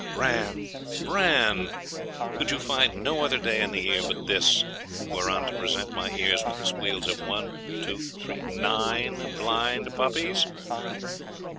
Bran! Bran! Could you find no other day in the year but this, whereon to present my ears with the squeals of one two three nine blind puppies?